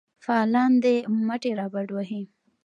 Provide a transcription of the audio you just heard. فعالان دي مټې رابډ وهي.